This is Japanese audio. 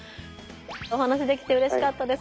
お話しできてうれしかったです。